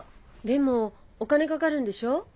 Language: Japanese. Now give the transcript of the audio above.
でもお金かかるんでしょ？